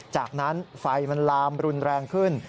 จากนั้นไฟมันลามรุนแรงขึ้น